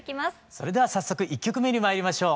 それでは早速１曲目にまいりましょう。